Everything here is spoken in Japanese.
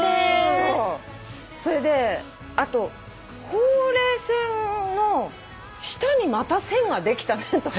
そうそれであと「ほうれい線の下にまた線ができたね」とか。